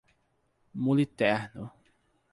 Muliterno